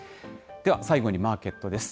では、最後にマーケットです。